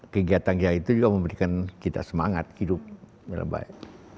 kegiatan yaitu juga memberikan kita semangat hidup lebih baik